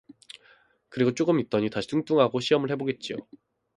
그리고 조금 있더니 다시 뚱뚱 하고 시험을 해 보겠지요.